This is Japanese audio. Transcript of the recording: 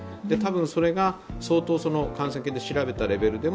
それが相当、感染研で調べたレベルでも